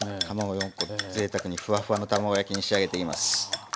卵４コぜいたくにふわふわの卵焼きに仕上げています。